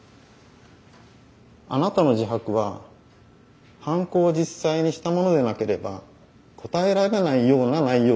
あなたの自白は犯行を実際にした者でなければ答えられないような内容ですね。